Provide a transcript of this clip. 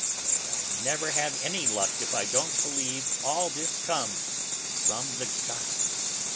May I never have any luck if I don't believe all this comes from the gods!